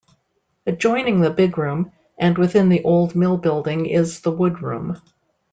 Adjoining the Big Room and within the old mill building is the Wood Room.